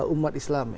umat islam ya